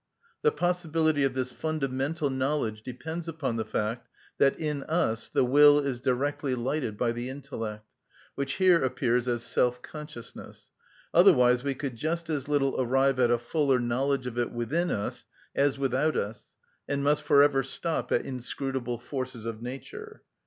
The possibility of this fundamental knowledge depends upon the fact that in us the will is directly lighted by the intellect, which here appears as self‐consciousness; otherwise we could just as little arrive at a fuller knowledge of it within us as without us, and must for ever stop at inscrutable forces of nature.